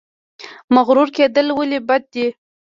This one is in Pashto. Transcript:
مغرور کیدل ولې بد دي؟